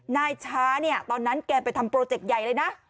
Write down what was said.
นายชาตอนนั้นแกไปทำโปรเจคใหญ่เลยนะ